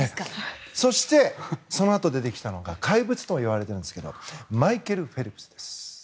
そして、そのあと出てきたのが怪物と言われているんですがマイケル・フェルプスです。